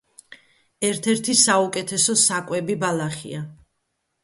ერთ-ერთი საუკეთესო საკვები ბალახია.